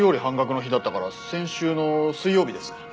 半額の日だったから先週の水曜日です。